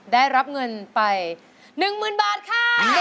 ได้รับเงินไปหนึ่งหมื่นบาทค่ะ